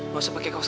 papi selamat suti